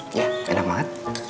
iya enak banget